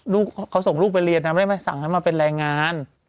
ลูกเขาส่งลูกไปเรียนนะไม่ได้สั่งให้มาเป็นแรงงาน